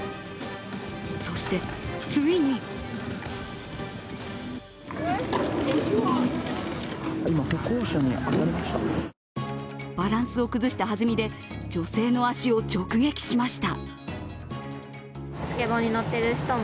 そして、ついにバランスを崩した弾みで女性の足を直撃しました。